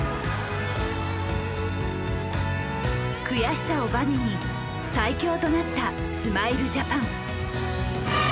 悔しさをバネに最強となったスマイルジャパン。